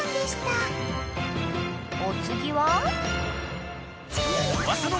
［お次は］